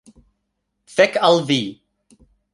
Fek' al vi!